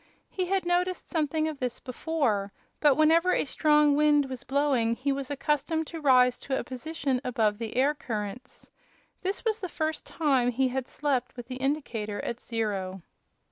He had noticed something of this before, but whenever a strong wind was blowing he was accustomed to rise to a position above the air currents. This was the first time he had slept with the indicator at zero.